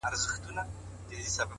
اغزي چاپيره دي تر ما! خالقه گل زه یم!